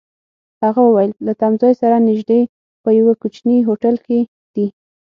هغه وویل: له تمځای سره نژدې، په یوه کوچني هوټل کي دي.